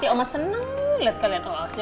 ikut sekolah kamu